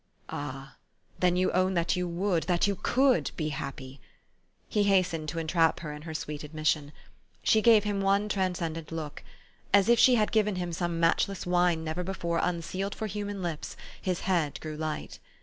"Ah! then you own that you would, that you could, be happy." He hastened to entrap her in her sweet admission. She gave him one transcend ent look. As if she had given him some matchless wine never before unsealed for human lips, his head grew light.